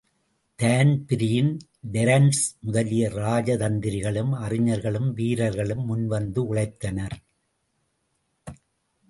தான்பீரின், Terence முதலிய ராஜதந்திரிகளும் அறிஞர்களும் வீரர்களும் முன்வந்து உழைத்தனர்.